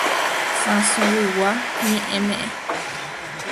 Sãsoguigua Ñe'ẽme'ẽ.